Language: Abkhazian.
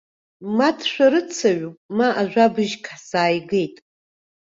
Ма дшәарыцаҩуп, ма ажәабжьк ҳзааигеит.